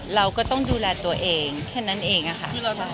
เราก็ต้องดูแลตัวเองแค่นั้นเองค่ะ